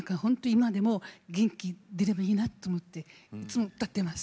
今でも元気出ればいいなと思っていつも歌ってます。